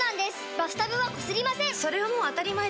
バスタブはこすりません！